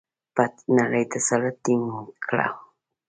په نړۍ تسلط ټینګ کړو؟